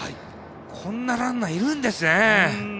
こんなランナーいるんですね。